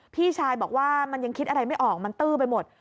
พี่ชายบอกว่ามันยังคิดอะไรไม่ออกมันตื้อไปหมด